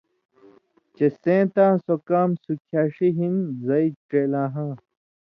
چےۡ سېں تاں سو کام سُکھیݜیاری ہن زئ ڇېلیاہاں